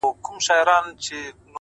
د پوهې سفر پای نه لري!